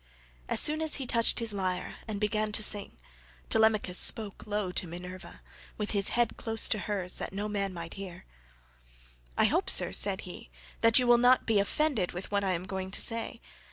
As soon as he touched his lyre and began to sing Telemachus spoke low to Minerva, with his head close to hers that no man might hear. "I hope, sir," said he, "that you will not be offended with what I am going to say.